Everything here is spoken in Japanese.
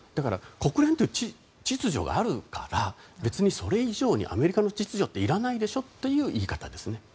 国連という秩序があるからそれ以上にアメリカの秩序っていらないでしょという言い方ですね。